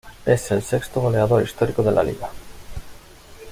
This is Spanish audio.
Es el sexto goleador histórico de la Liga.